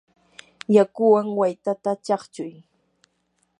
yakuwan waytata chaqchuy.